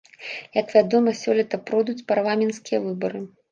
Як вядома, сёлета пройдуць парламенцкія выбары.